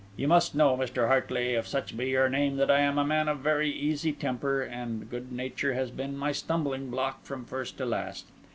You must know, Mr. Hartley, if such be your name, that I am a man of a very easy temper, and good nature has been my stumbling block from first to last.